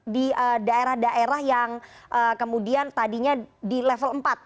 di daerah daerah yang kemudian tadinya di level empat